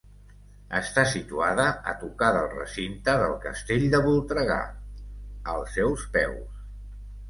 Està situada a tocar del recinte del castell de Voltregà, als seus peus.